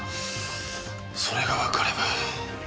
それがわかれば。